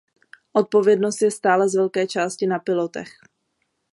Odpovědnost je stále z velké části na pilotech.